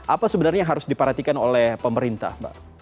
apa sebenarnya yang harus diperhatikan oleh pemerintah mbak